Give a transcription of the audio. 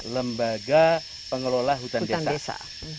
lembaga pengelola hutan desa